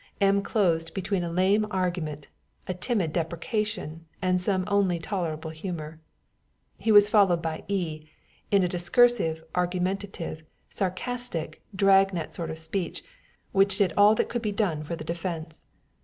M. closed between a lame argument, a timid deprecation, and some only tolerable humor. He was followed by E., in a discursive, argumentative, sarcastic, drag net sort of speech, which did all that could be done for the defense.